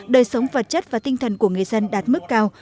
đời sống vật chất và tinh thần của người dân đạt mức cao